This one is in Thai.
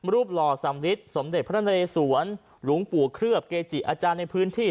หล่อสำลิดสมเด็จพระนเรสวนหลวงปู่เคลือบเกจิอาจารย์ในพื้นที่